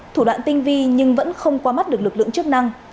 thủ đoạn tinh vi nhưng vẫn không qua mắt được lực lượng chức năng